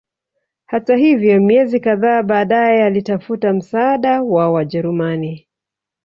Hata hivyo miezi kadhaa baadae alitafuta msaada wa Wajerumani